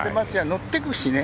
乗っていくしね。